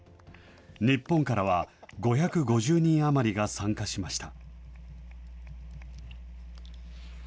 日本からは５５０人余りが参加しました。